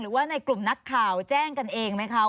หรือว่าในกลุ่มนักข่าวแจ้งกันเองไหมคะ